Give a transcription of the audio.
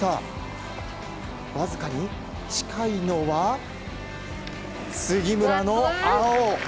わずかに近いのは杉村の青！